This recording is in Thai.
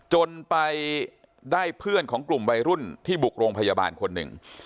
จนไปได้เพื่อนของกลุ่มวัยรุ่นที่บุกโรงพยาบาลคนหนึ่ง